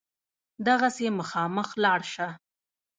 دغسې مخامخ لاړ شه.